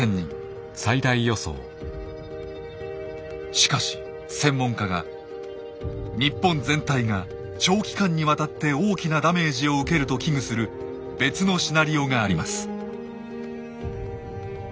しかし専門家が日本全体が長期間にわたって大きなダメージを受けると危惧する別のシナリオがあります。